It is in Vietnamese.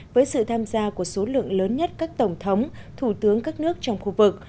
với sự tham gia của số lượng lớn nhất các tổng thống thủ tướng các nước trong khu vực